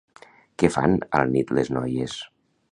Què fan a la nit les noies?